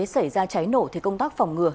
xảy ra cháy nổ thì công tác phòng ngừa